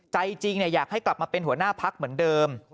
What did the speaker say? ใจจริงอยากให้กลับมาเป็นหัวหน้าพักเหมือนเดิม